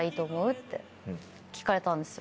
って聞かれたんですよ。